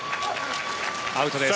アウトです。